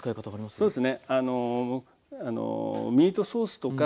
そうですね。